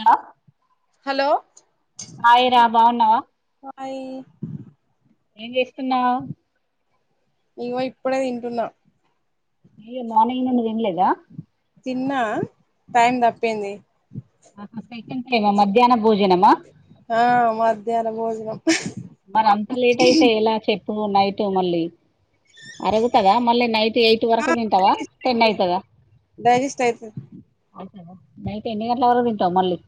హల hello హాయిరా బాగున్నావా buy ఏం చేస్తున్నా ఇవు ఇప్పుడే తింటున్నా నయ్య నువ్వు ఇన్నలేదా తిన్నా టైం తప్పింది సెకండ్ టైమ్ మధ్యాహ్న భోజనమా ఆ మధ్యాహ్న భోజనం మరి అంత లేట్ అయితే ఎలా చెప్పు నైట్ మళ్ళీ అరగతదా మళ్ళీ నైట్ ఎయిట్ వరకు తింటవ టెన్ అయితద ఇస్తా అతే నైట్ ఎన్ని గంటల వరకు తింటావ్ మళ్ళీ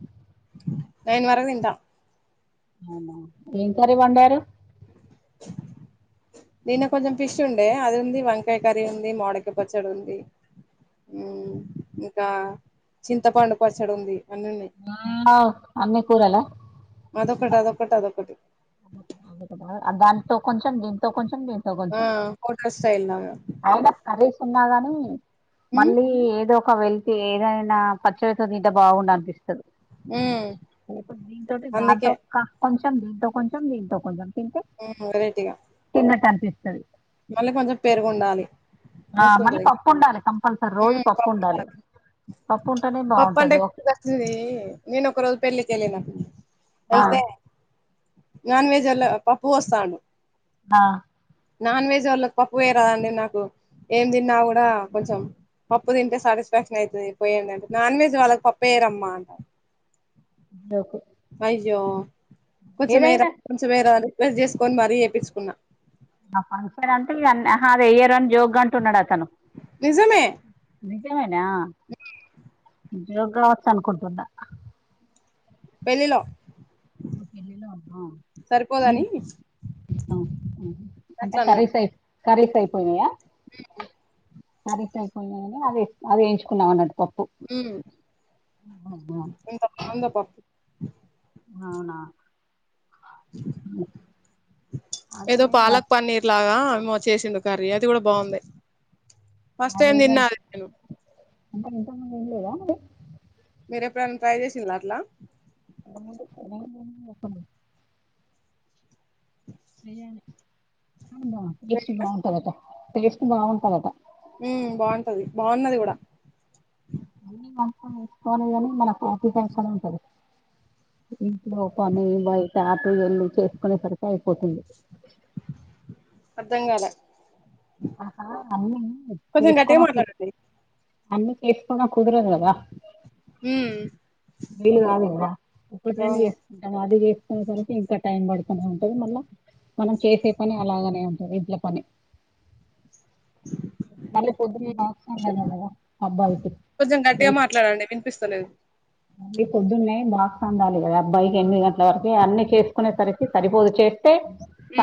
నైన్ వర తిందా ఏం కర్రీ వండారు నిన్న కొంచెం ఫిష్ ఉండే అది ఉంది వంకాయ కర్రీ ఉంది మాడకాయ్ పచ్చడి ఉంది ఇంకా చింతపండు పచ్చడు ఉంది అన్ని ఉన్నాయి ఆ అన్ని కూరలా అదొక్కటి అదొక్కటి అదొక్కటి అ అ కద దానితో కొంచెం దీంతో కొంచెం దీంతో ఆ కొంచెం కొ వస్తా అయినా కర్రీస్ ఉన్నా గాని మ్మ్ మళ్ళీ ఏదో ఒక వెళ్ అయితే ఏదైనా పచ్చడితో తింటే బాగుండు అనిపిస్తది మ్మ్ దీంతోటి దాంతో అందుకే క కొంచం దీంతో కొంచం దీంతో కొంచం ఉ వెరైటిగా తీస్తది మళ్ళీ కొంచం పెరుగుండాలి ఆ మళ్ళీ పప్పు ఉండాలి కంపల్సరీ రోజు పప్పు ఉండాలి పప్పు ఉంటేనే పప్ప అంటె బాగుంటది. గుర్తు వస్తుంది నేను ఒక రోజు పెళ్ళికి వెళ్ళిన ఆ వెళ్తే నాన్ వెెజ్ ఎల్లు పప్పు వేస్తాను ఆ నాన్ వెజ్ వాళ్ళకి పప్పు వేయరాదండి నాకు ఏం తిన్నా కూడా కొంచెం పప్పు తింటే సాటిస్ఫాక్షన్ అయితది పోయిండి అంటే నాన్ వెజ్ వాళ్ళకి పప్పు ఏయ్యరమ్మా అంటారు జోకు అయ్యో కొంచెమేరా ఏదైనా కొంచెమేరాని రిక్వెస్ట్ చేసుకొని మరీ చేప్పించుకున్నా ఆ ఫంక్షన్ అంతే ఇ అహా వెయ్యరని జోగ్గా అంటున్నాడు అతను. నిజమే నిజమేనా జోగ్ కావచ్చ అనుకుంటున్నా పెళ్ళిలో పెళ్ళిలో అమ్మ సరిపోదని మీరు ఆ ఆ అంటే కర్రీస్ అయి కర్రీస్ అయిపోయినాయా బ కర్రీస్ అయిపోయినాయని అది అది ఎయించుకున్నాం అన్నడు అవునా ఇంత మందా పా అవునా. అదే ఏదో పాలక్ వర్క్ పన్నీర్ లాగా అవిమ వచ్చేసిందు కర్రీ అది కూడా బాగుంది ఫస్ట్ టైం తిన్నా నేను అంటె ఇంతకుముందు ఏం లేద అండి మీర ఎప్పుడైన ట్రై చేసిండ్ల అట్ల మొత్తము ఏయండి ఉమ్ బా టేస్ట్ బాగుంటదట టేస్ట్ బాగుంటదట [inaudible] ఊమ్ బాగుంటది బాగున్నది కూడ మళ్లీ అంతం ఇసుకోనే కాని మనకు పస ఇస్తనే ఉంటంది [unintelligible] ఇంట్లో పని బయట ఆటు ఎల్లు చేసుకునేసరికి అయిపోతుంది అర్ధం కాలే ఆహా అన్నీ కొంచెం చేస్కో గట్టిగా మాకు మాట్లాడండి అన్నీ చేస్కోన కుదురు లె ఊమ్ వీలు కాదు కద ఒకటి రెండు వేసుకుంటాం అది చేసుకునే సరికి ఇంక టైం పడుత్ ఉంటది మళ్ళ మనం చేసే పని అలాగనే ఉంటది ఇంట్ల పని మల్ల పొద్దున్న బాక్స్ అందాలే కద అబ్బాయికి కొంచెం గట్టిగ లేచి మాట్లాడండి ఇనిపిస్తలేదు మళ్ళీ పొద్దున్నే బాక్స్ అందాలి కద అబ్బాయి ఎనిమిది గంటల వరకు అన్ని చేసుకునేసరికి సరిపోదు చేస్తే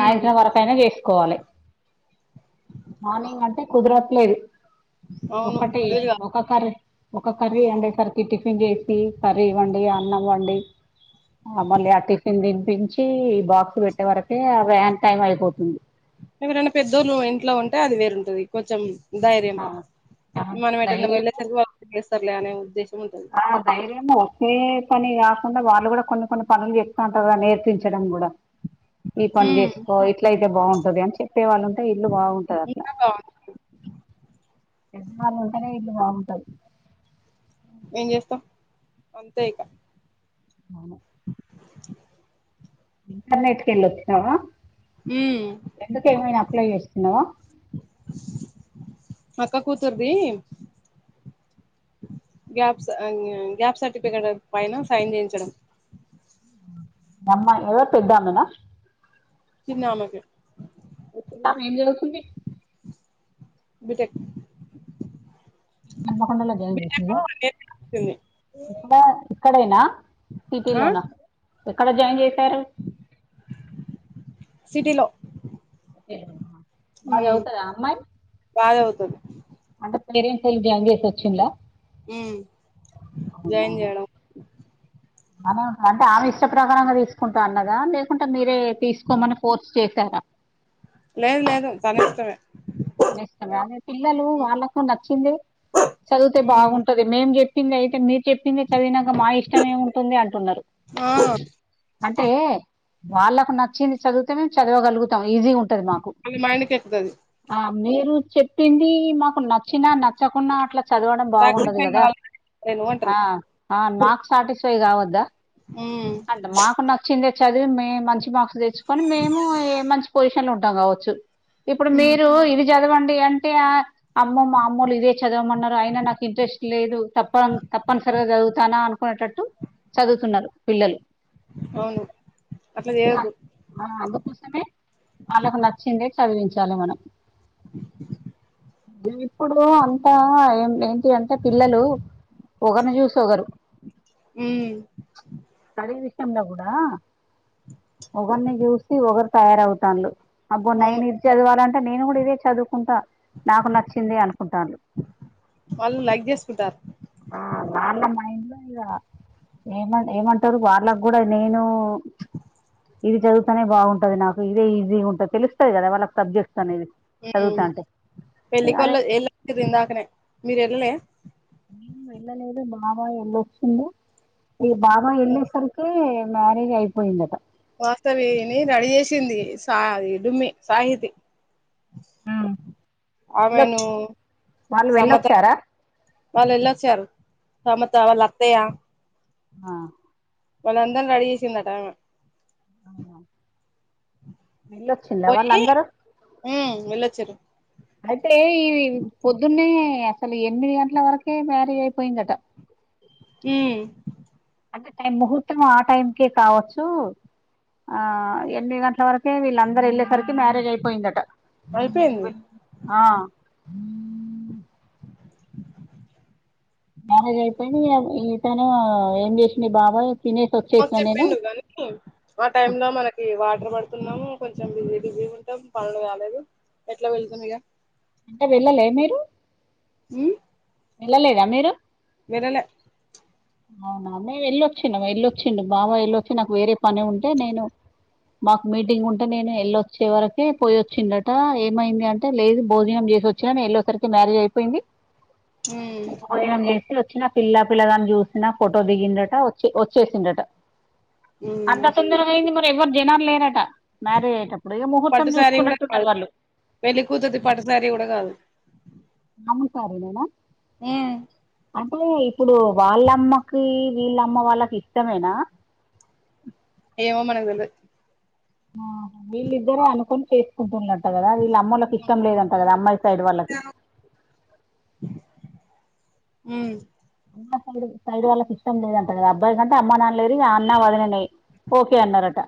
ఉమ్ వరకయిన చేస్ కోవాలె మార్నింగ్ అంటె కుదరట్లేదు అవును ఒకటి వీలుగా ఒక కర్రీ ఒక కర్రీ అండేసరికి టిఫిన్ చేసి ఉమ్ కర్రి వండి అన్నం వండి ఆ మళ్ళీ ఆ టిఫిన్ దినిపించి బాక్స్ పెట్టే వరకే ఆ వ్యాన్ టైం అయిపోతుంది ఎవరైన పెద్దోళ్ళు ఇంట్లో ఉంటె అది వేరుంటది కొంచెం ధైర్యం ఆ, ఆ మనం ఎటన్న ధైర్యం వెళ్లేసరికి వాళ్లు చేస్తర్లే అనే ఉద్దేశం ఉంటది ఆ ధైర్యము ఏ పని కాకుండ వాళ్ళు కూడ కొన్ని కొన్ని పనులు చెప్తా ఉంటరు కద నేర్పించడం కూడ ఈ పని ఉమ్ చేసుకో ఇట్ల అయితే బాగుంటది అని చెప్ పెద్దవాళ్లు ఉంటేనే ఇల్లు బాగుంటది అట్ల ఇంకా బాగుంటది పెద్దవాళ్ళ ఉంటేనే ఇగ అంతే ఏం చేస్తం అంతే ఇక అవును ఇంటర్నెట్ కెళ్ళి అచ్చినవ ఉమ్ ఎందుకు ఏమైన అప్లై చేస్తున్నర అక్క కూతుర్దీ గ్యాప్ స గ్యాప్ సర్టిఫికేట్ పైన సైన్ చేయించడం అమ్మ ఎవరు పెద్దామెన చిన్నామెకే మీ చిన్నామె ఏం చదువుతుంది బీటెక్ హన్మకొండ లో జాబ్ బీటెక్ చేస్తుంద వన్ ఇయర్ వచ్చింది ఇక్కడ ఇక్కడేన సిటీ ఆ లోన ఎక్కడ జాయిన్ చేసారు సిటి లో బాగ చదువుతద ఆ అమ్మాయి సరే అంటే పేరెంట్స్ ఏళ్లి జాయిన్ చేసి వచ్చిలా జాయిన్ చేయడం మన అంటే ఆమె ఇష్ట ప్రకారంగా తీసుకుంటా అన్నదా లేకుంటే మీరే తీసుకోమని ఫోర్స్ చేసారా లేదు లేదు తనిష్టమే అదె పిల్లలు వాళ్ళలకు నచ్చిందే చదివితే ఉమ్ బాగుంటది మేం చెప్ చెప్పింది అయితే మీరు చెప్పింది చదివినాక మా ఇష్టం ఏముంటుంది అంటున్నారు ఆ అంటే వాళ్ళకు నచ్చింది చదివితే మేము చదవగలుగుతాం ఈజీ ఉంటది మాకు వాళ్ళ మైండ్కి ఎక్కుతది ఆ మీరు చెప్పింది మాకు నచ్చినా నచ్చకుంన్న అట్లా చదవడం బాగుండదు సాక్రిఫైస్ కదా కావాలి నేను ఆ అంటారు ఆ మాకు సాటిస్ఫై కావద్దా ఉమ్ అంటే మాకు నచ్చిందే చదివి మేము మంచి మార్క్స్ తెచ్చుకొని మేము ఏ మంచి పొజిషన్ త ఉంటాం కావచ్చు ఇప్పుడు ఉమ్ మీరు ఇవి చదవండి అంటే ఆ అమ్మ మా అమ్మోలు ఇదే చదవమన్నారు అయినా నాకు ఇంట్రెస్ట్ లేదు తప్ప తప్పనిసరిగా చదువుతానా అనుకునేటట్టు చదువుతున్నారు పిల్లలు అవును అట్లా చేయొద్దు ఆ అందుకోసమే వాళ్ళకి నచ్చింది చదివించాల మనం [inaudible] ఇప్పుడు అంతా ఏం ఏంటి అంటే పిల్లలు ఒకరిని చూసి ఒకరు ఉమ్ స్టడీ విషయంలో కూడా ఒకరిని చూసి ఒకరు తయారవుతాన్లు అబ్బో అవును నయను ఇది చదవాలంటే నేను కూడా ఇదే చదువుకుంటా నాకు నచ్చింది అనుకుంటన్లు వాళ్ళు లైక్ చేసుకుంటారు ఇంగ ఏమ్ ఏమంటారు వాళ్ళకి కూడా నేను ఇది చదువుతనే బాగుంటది నాకు ఇదే ఈజీ ఉంటంది తెలుస్తది కదా వాళ్ళక్ సబ్జెక్ట్స్ అనేవి చదువుతంటే పెళ్లికొల్లు ఎల్ ఇందకనే మీరు వెళ్ళలే నేను వెళ్ళలేదు బావ ఎల్లి వచ్చిండు ఈ బావ ఎల్లె సరికే మ్యారేజ్ అయిపోయిందటా వాస్తవిని రెడీ చేేసింది సా డుమ్మి సాహితి ఉమ్ వెళ్ళొచ్ ఆమెను వాళ్ళు సమత వెళ్ళొచ్చారా వాళ్ళు వేళ్ళు వచ్చారు సమత వాళ్ళు అత్తయ్య ఆ వాళ్ళందరిని రెడీ చేసిందట ఆమె అవునా మళ్ళొచ్చిందా వాళ్ళందరూ చెర అయితే ఈ పొద్దున్నే అసలు ఎనిమిది గంటల వరకే మ్యారీజ్ అయిపోయిందట ఉమ్ అంటే టైం ముహూర్తం ఆ టైంకే కావచ్చు ఆ ఎనిమిది గంటల వరకే వీళ్ళందరు ఎళ్ళి సరికి మ్యారేజ్ అయిపోయిందట అయిపోయింది ఆ మ్యారేజ్ అయిపోయింది ఇగ ఇతను ఏం చేసిండు బాబాయ్ తినేసి ఆ వచ్చేసిన నేను చెప్పిండు గానీ ఆ టైమ్ లో మనకి వాటర్ పడుతున్నాము కొంచెం వి దకుంటాం పనులు కాలేదు ఎట్లా వెళ్తాం ఇక అంటే వెళ్ళలే మీరు హూ వెళ్లలేదా మీరు వెళ్లలే అవునా మేము వెళ్ళొచ్చిం వెళ్ళొచ్చిండు మామ వెళ్ళొచ్చి నాకు వేరే పని ఉంటే నేను మాకు మీటింగ్ ఉంటే నేను వెళ్ళొచ్చే వరకే పోయి వచ్చిందట ఏమైంది అంటే లేదు భోజనం తీసి వచ్చినా ఎళ్ళోసరికి మ్యారేజ్ అయిపోయింది ఉమ్ చేసి వచ్చిన పిల్ల పిల్లగాని చూసిన ఫోటో దిగిందట వచ్చి చేసిండట ఉమ్ అంత తొందర అయింది మరి ఎవ్వరు జనాలు లేరట మరే అయ్యేటప్పుడు ముహూర్తం చూసుకున్నట్టున్నారు వాళ్ళు వెళ్లి కూతురుది పట్టు సారీ కూడా కాదు అమ్ముతారు ఏమైనై అంటే ఇప్పుడు వాళ్ళ అమ్మకి వీళ్ళమ్మ వాళ్ళకి ఇష్టమేనా ఏమో మనకుతెలీదు ఆ వీళ్ళిద్దర అనుకొని చేసుకుంటున్నారు కదా వీళ్ళ అమ్మకి ఇష్టం లేదంట కదా అమ్మాయి సైడ్ వాళ్ళకి ఉ అ సైడ్ సైడ్ వల్ల ఇష్టం లేదంట కాకదా అబ్బాయి కంటే అమ నాన్న లేరూ ఆ అన్న వదినయి ఓకే అన్నారట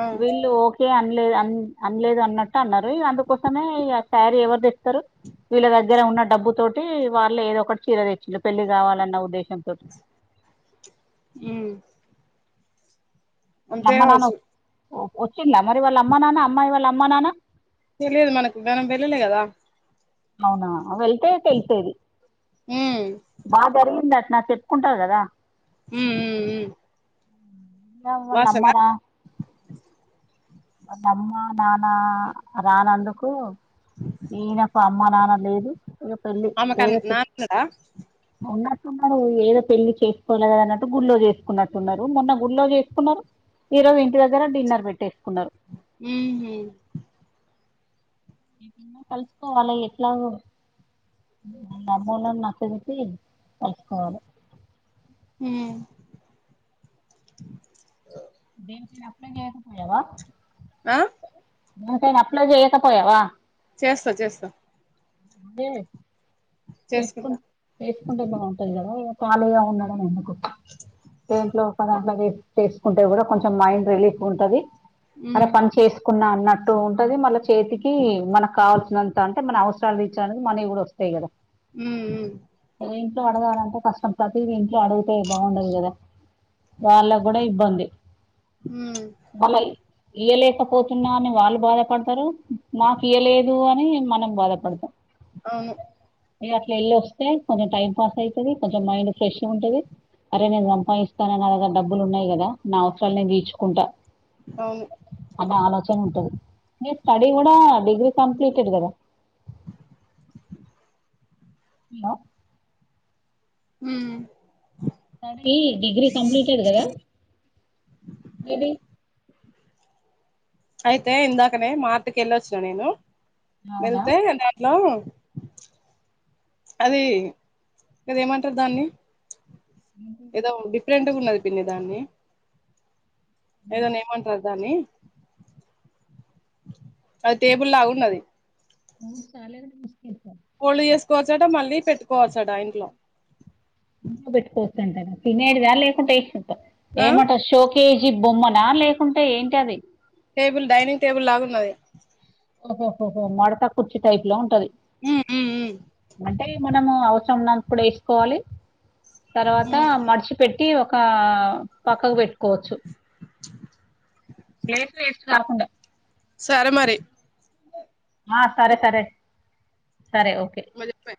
ఆ వీళ్ళు ఓకే అన్న అలేదు అన్నట్టు అన్నారు అందుకోసమే ఇక శారీ ఎవరు తె స్తారు వీళ్ళ దగ్గర ఉన్న డబ్బు తోటి వాళ్ళు ఏదో ఒకటి చీర తెచ్చిరు రావాలన్నా ఉద్దేశంతో ఉమ్ అంతే కావచ్చు వచ్చిలా మరి వాళ్ళ అమ్మ నాన్న అమ్మాయి వాళ్ళ అమ్మ నాన్న తెలిదు మనకు మనం వెళ్ళలే కదా అవునా వెళ్తే తెలిసేది ఉమ్ బాగా జరిగిందా నా చెప్పుకుంటారు కదా ఉ ఉ ఉ ఉమ్మ్ నమ్మరా వాళ్ళ అమ్మ నాన్న రానందుకు ఇనప్ప అమ్మ నాన్న లేదు ఇక పెళ్ళి ఆమెకు ఏదో నాన్నడా ఉన్నట్ మ ఏదో పెళ్లి చేసుకోవలేదూ అన్నట్టు గుళ్ల్లో చేసుకున్నట్టున్నారు మొన్న గుల్లో చేసుకున్నారు ఈ రోజు ఇంటి దగ్గర డిన్నర్ పెట్టే ఉహు కలుసుకోవాలి ఎట్లాగో అమ్ములను నచ్చచెప్పి కలుసుకోవాలి హూ [unintelligible] ఆ అప్లో చేయకపోయావా చేస్తా చేస్తా హే చేసుకు చేసుకుంటా చేసుకుంటే బాగుంటది కదా ఖళీగా ఉండడం ఎందుకు దేంట్లో ఒక దాంట్లో చేసుకుంటే కూడా కొంచెం మైండ్ రిలీఫ్ ఉంటది మన ఉమ్ పని చేసుకున్నామ టో ఉంటది మళ్ళ చేతికి మానక్ కావాల్సినంత అంటే మన అవసరాలు తిచ్చే అనేది మనీ కూడా వస్తాయి కదా హ్మ్మ్ ఇంట్లో అడగాలంటే కష్టం ప్రతిదీ ఇంట్లో అడుగుతే బాగుండదు కదా వాళ్ళగూడ ఇబ్బంది హమ్మ్మ్ ఇయ్యలేకపోతున్న అని వాళ్ళు బాధపడతారు నాకియ్యలేదు అని నేన్ మనం బాధపడతాం అవును ఇగ అట్లా యెల్లోస్తే కొంచెం టైం పాస్ అయితది కొంచెం మైండ్ ఫ్రెష్గా ఉంటది అరే నేను సంపాయిస్తా నా దగ్గర డబ్బులు ఉన్నాయి కదా నా అవసరాలు నేను తీర్చుకుంటా అవును అన్న ఆలోచన ఉంటది మీ స్టడీ కూడా డిగ్రీ కంప్లీటెడ్ కదా [inaudible] హ్మ్ తన్కి డిగ్రీ కంప్లీటెడ్ కదా మేబి అయితే ఇందాకనే మార్టకి వెళ్ళొచ్చిన నేను అవునా వెళ్తే దాంట్లో అది ఇది ఏమంటారు దాన్ని ఏదో డిఫరెంట్గా ఉన్నది పిన్ని దాన్ని ఏదో నేమ్ అంటారు దాన్ని అది టేబుల్ లాగున్నది మూడు సెలేడు మిస్ చేసావ్ ఫాల్డ్ చేస్కోవచ్చట మళ్ళీ పెట్టుకోవచ్చాట ఆ ఇంట్లో టా తినేడిదా లేకుంటే ఏస్కుంటావ్ ఆ ఏమంటావ్ షోకేస్ ఈ బొమ్మనా లేకుంటే ఏంటి అది టేబుల్ డైనింగ్ టేబుల్ లాగున్నది ఓహోహోహో మడతా కుర్చీ టైప్లో ఉంటది ఉమ్ ఉమ్ అంటే మనము అవసరం ఉన్నపుడు ఏస్కోవాలి తర్వాత ఉమ్ మడిచిపేట్ టి ఓక పక్కకు పెట్టుకోవచ్చు ప్స్ వేస్ట్ కాకుండా సార మరి ఆ సరే సరే సరే ఓకే మరి చెప్పే.